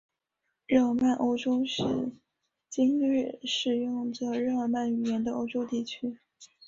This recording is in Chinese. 日耳曼欧洲是今日使用着日耳曼语言的欧洲地区。